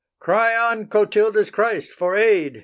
cry on Clotilda's Christ for aid!"